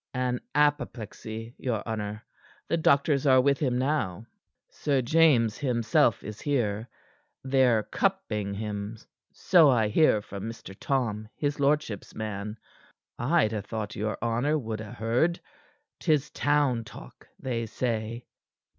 "An apoplexy, your honor. The doctors are with him now; Sir James, himself, is here. They're cupping him so I hear from Mr. Tom, his lordship's man. I'd ha' thought your honor would ha' heard. 'Tis town talk, they say."